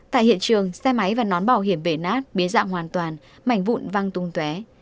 tại hiện trường xe máy và nón bảo hiểm bể nát biến dạng hoàn toàn mảnh vụn văng tung té